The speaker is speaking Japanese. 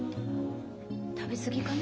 食べ過ぎかな？